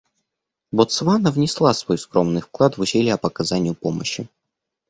Ботсвана внесла свой скромный вклад в усилия по оказанию помощи.